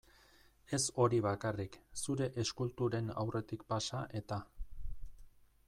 Ez hori bakarrik, zure eskulturen aurretik pasa, eta.